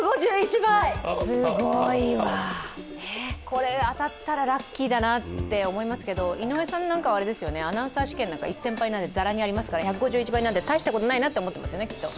これ当たったらラッキーだなって思いますけど、井上さんなんかはアナウンサー試験なんか倍率はざらにありますから１５１倍なんて大したことないって思ってますよね、きっと。